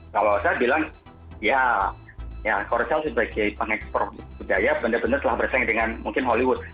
kalau saya bilang ya korsel sebagai pengeks prof budaya benar benar telah bersaing dengan mungkin hollywood